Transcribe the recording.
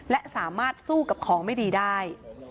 และสามารถสู้กับของไม่ดีได้